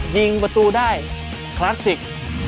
ยิงประตูได้คลาสสิก